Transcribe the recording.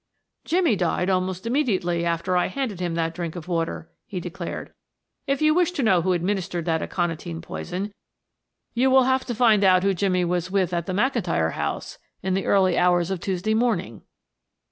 "Jimmie died almost immediately after I handed him that drink of water," he declared. "If you wish to know who administered that aconitine poison, you will have to find out who Jimmie was with at the McIntyre house in the early hours of Tuesday morning."